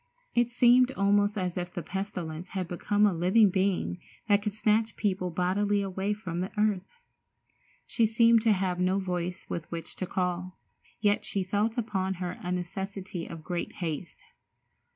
It seemed almost as if the pestilence had become a living being that could snatch people bodily away from the earth. She seemed to have no voice with which to call, yet she felt upon her a necessity of great haste.